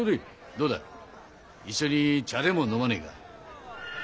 どうだ一緒に茶でも飲まねぇか。